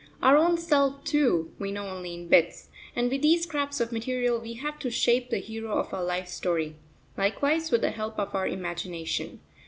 Our own self, too, we know only in bits, and with these scraps of material we have to shape the hero of our life story, likewise with the help of our imagination.